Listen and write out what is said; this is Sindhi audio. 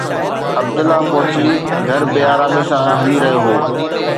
عبدالله پنهنجي گهر ۾ بي آراميءَ سان هلي رهيو هو